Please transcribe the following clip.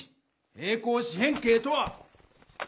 平行四辺形とは。